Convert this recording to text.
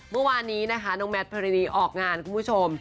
เมื่อวานนี้นะคะน้องแมทพรินีออกงานคุณผู้ชม